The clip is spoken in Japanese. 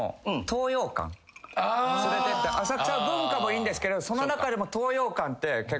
連れてって浅草は文化もいいんですけどその中でも東洋館って結構。